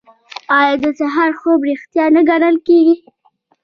آیا د سهار خوب ریښتیا نه ګڼل کیږي؟